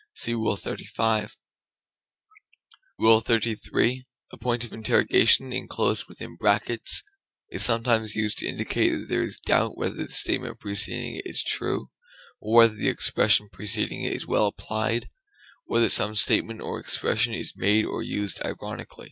(See Rule XXXV.) XXXIII. A point of interrogation enclosed within brackets is sometimes used to indicate that there is a doubt whether the statement preceding it is true, or whether the expression preceding it is well applied, or that some statement or expression is made or used ironically.